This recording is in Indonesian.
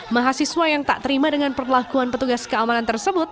mahasiswa yang tak terima dengan perlakuan petugas keamanan tersebut